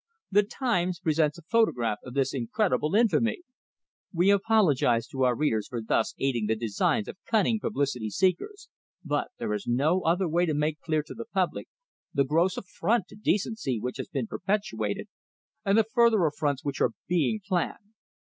The 'Times' presents a photograph of this incredible infamy. We apologize to our readers for thus aiding the designs of cunning publicity seekers, but there is no other way to make clear to the public the gross affront to decency which has been perpetrated, and the further affronts which are being planned.